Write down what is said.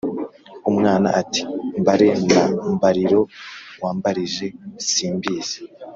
Umwana ati «mbare na mbariro wambarije, simbizi !